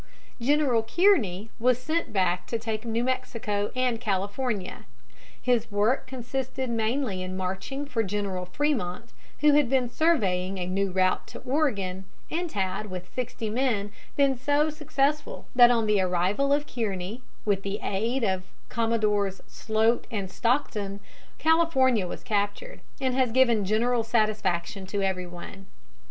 [Illustration: THE FIGHT WAS A HOT ONE.] General Kearney was sent to take New Mexico and California. His work consisted mainly in marching for General Frémont, who had been surveying a new route to Oregon, and had with sixty men been so successful that on the arrival of Kearney, with the aid of Commodores Sloat and Stockton, California was captured, and has given general satisfaction to every one.